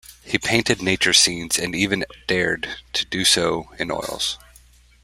He painted nature scenes and even dared to do so in oils.